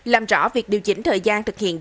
làm rõ việc điều chỉnh thời gian thực hiện dự án